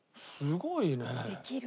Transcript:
すごいね。